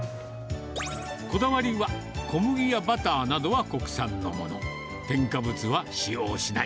こだわりは小麦やバターなどは国産のもの、添加物は使用しない。